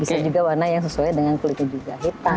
bisa juga warna yang sesuai dengan kulitnya juga hitam